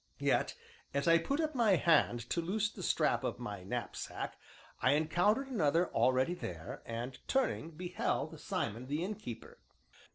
Yet, as I put up my hand to loose the strap of my knapsack, I encountered another already there, and, turning, beheld Simon the Innkeeper.